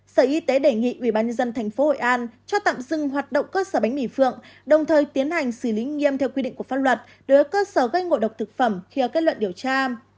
sở y tế đề nghị ubnd tp hội an cho tạm dừng hoạt động cơ sở bánh mì phượng đồng thời tiến hành xử lý nghiêm theo quy định của pháp luật đối với cơ sở gây ngộ độc thực phẩm khi kết luận điều tra